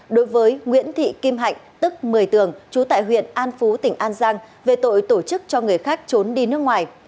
đối với nguyễn thị kim hạnh tức một mươi tường chú tại huyện an phú tỉnh an giang về tội tổ chức cho người khác trốn đi nước ngoài